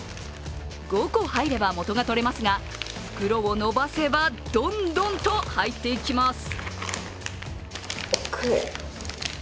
５個入れば元が取れますが、袋を伸ばせば、どんどんと入っていきます